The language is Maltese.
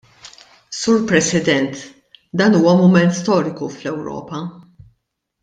Sur President, dan huwa mument storiku fl-Ewropa.